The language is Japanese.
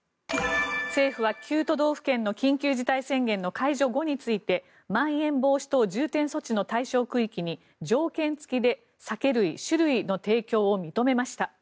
政府は９都道府県の緊急事態宣言の解除後についてまん延防止等重点措置の対象区域に条件付きで酒類の提供を認めました。